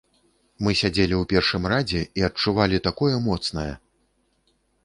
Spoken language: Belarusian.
Мы сядзелі ў першым радзе і адчувалі такое моцнае!